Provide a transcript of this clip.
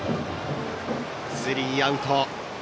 スリーアウト。